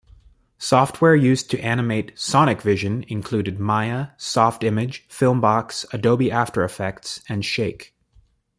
Software used to animate "SonicVision" included Maya, SoftImage, FilmBox, Adobe After Effects, and Shake.